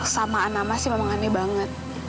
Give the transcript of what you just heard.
samaan nama sih memang aneh banget